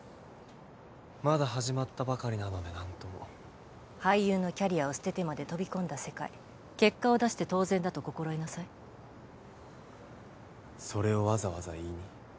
まだ始まったばかりなので何とも俳優のキャリアを捨ててまで飛び込んだ世界結果を出して当然だと心得なさいそれをわざわざ言いに？